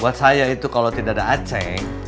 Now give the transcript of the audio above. buat saya itu kalau tidak ada aceh